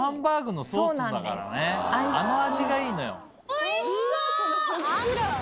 おいしそう！